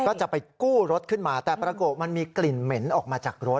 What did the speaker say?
ก็จะไปกู้รถขึ้นมาแต่ปรากฏมันมีกลิ่นเหม็นออกมาจากรถ